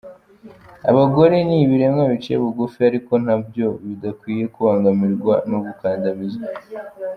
Abagore ni ibiremwa biciye bugufi ariko nabwo bidakwiye kubangamirwa no gukandamizwa.